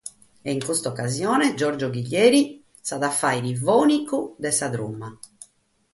E in custa ocasione Giorgio Ghiglieri at a devènnere fònicu de sa truma.